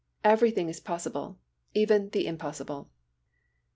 Everything is possible—even the impossible.